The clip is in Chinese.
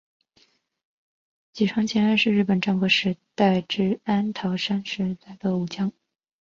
吉川经安是日本战国时代至安土桃山时代的武将。